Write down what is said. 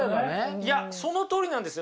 いやそのとおりなんですよ。